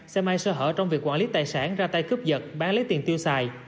xe máy sơ hở trong việc quản lý tài sản ra tay cúp giật bán lấy tiền tiêu xài